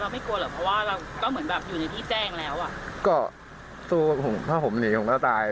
บ๊วยคุณภิกษ์ถ้าผมหนีก็ตาย